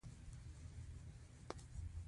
تر هغو پورې د رڼو انتخاباتو کېدو امکان نشته.